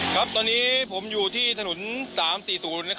ครับตอนนี้ผมอยู่ที่ถนน๓๔๐